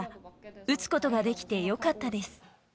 打つことができてよかったです。